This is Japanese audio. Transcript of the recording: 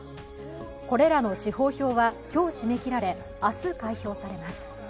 これらの地方票は今日締め切られ明日、開票されます。